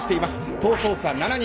逃走者７人。